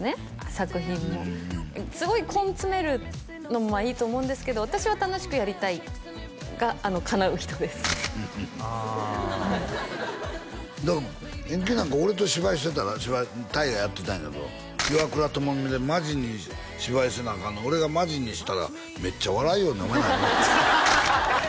作品もすごい根詰めるのもまあいいと思うんですけど私は楽しくやりたいがかなう人ですあうんだからエンケンなんか俺と芝居してたら芝居大河やってたんやけど岩倉具視でマジに芝居せなアカンのを俺がマジにしたらめっちゃ笑いよんねんハハハ